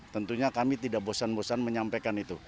tentunya kami tidak bosan bosan menyampaikan itu